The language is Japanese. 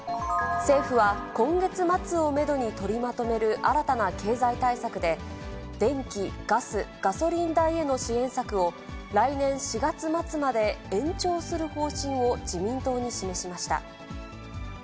政府は今月末をメドに取りまとめる新たな経済対策で、電気・ガス、ガソリン代への支援策を来年４月末まで延長する方針を自民党に示しました。